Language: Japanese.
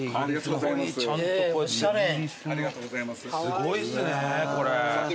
すごいっすねこれ。